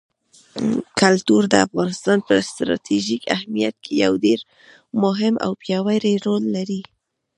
کلتور د افغانستان په ستراتیژیک اهمیت کې یو ډېر مهم او پیاوړی رول لري.